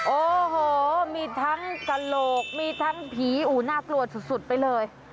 โอ้โหมีทั้งกระโหลกมีทั้งผีอู๋น่ากลัวสุดไปเลย